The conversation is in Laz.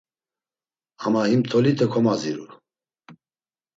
Ama him tolite komaziru.